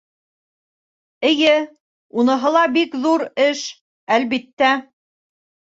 — Эйе, уныһы ла бик ҙур эш, әлбиттә.